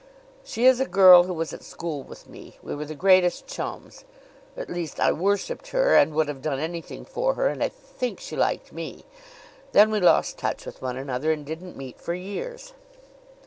"She is a girl who was at school with me. We were the greatest chums at least, I worshiped her and would have done anything for her; and I think she liked me. Then we lost touch with one another and didn't meet for years.